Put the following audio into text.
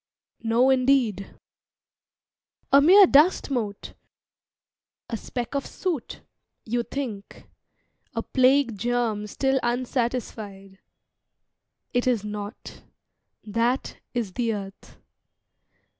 "No, indeed." "A mere dust mote, a speck of soot, you think, A plague germ still unsatisfied. It is not. That is the Earth.